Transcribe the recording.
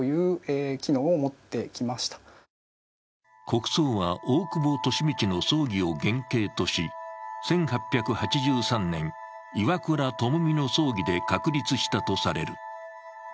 国葬は、大久保利通の葬儀を原型とし、１８８３年、岩倉具視の葬儀で確立したとされる。